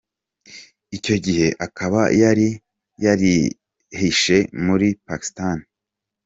Icyo gihe akaba yari yarihishe muri Pakistan.